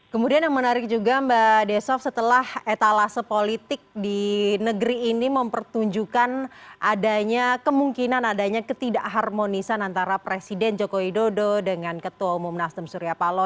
kemudian yang menarik juga mbak desaf setelah etalase politik di negeri ini mempertunjukkan adanya kemungkinan adanya ketidak harmonisan antara presiden joko widodo dengan ketua umum nasdem surya paloh